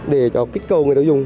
để kích cầu người tiêu dùng